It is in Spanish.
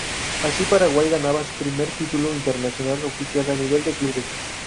Así Paraguay ganaba su primer título internacional oficial a nivel de clubes.